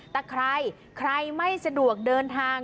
แต่ใครใครไม่สะดวกเดินทาง